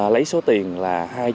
lấy số tiền là